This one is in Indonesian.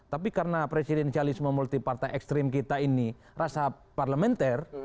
tapi karena presidensialisme multi partai ekstrim kita ini rasa parlementer